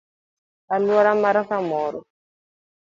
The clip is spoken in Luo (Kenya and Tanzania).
Aluora mar kamoro;